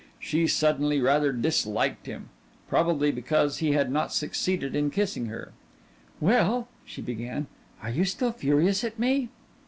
She suddenly rather disliked him probably because he had not succeeded in kissing her. "Well," she began, "are you still furious at me?"